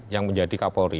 yang menjadi kapolri